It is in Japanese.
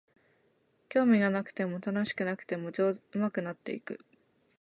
興味がなくても楽しくなくても上手くなっていく